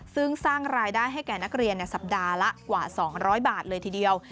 ซึ่งสร้างรายได้ให้แก่นักเรียนสัปดาห์ละกว่า๒๐๐บาทเลยทีเดียว